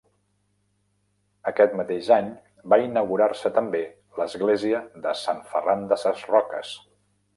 Aquest mateix any va inaugurar-se també l'església de Sant Ferran de ses Roques.